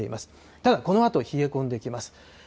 ただ、このあと冷え込んできます。